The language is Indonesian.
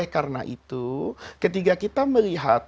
karena itu ketika kita melihat